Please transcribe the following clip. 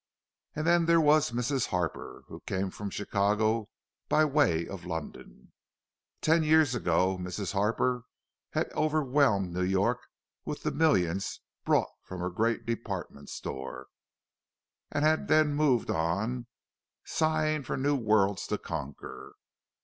And then there was Mrs. Harper, who came from Chicago by way of London. Ten years ago Mrs. Harper had overwhelmed New York with the millions brought from her great department store; and had then moved on, sighing for new worlds to conquer.